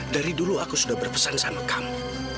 dari dulu aku sudah berpesan sama kamu